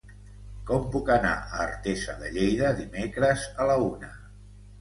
Com puc anar a Artesa de Lleida dimecres a la una?